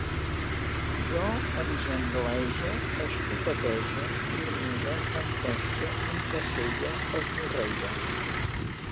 Jo em janglege, escopetege, formigue, empeste, encaselle, esmorrelle